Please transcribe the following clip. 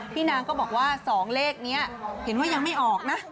นางก็บอกว่า๒เลขนี้เห็นว่ายังไม่ออกนะ